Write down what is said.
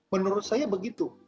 menurut saya begitu